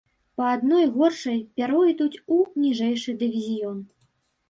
Па адной горшай пяройдуць ў ніжэйшы дывізіён.